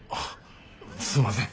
すんません。